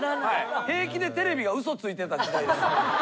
平気でテレビが嘘ついてた時代です。